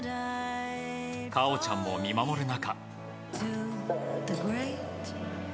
果緒ちゃんも見守る中。